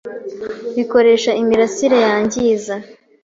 bikoresha imirasire yangiza,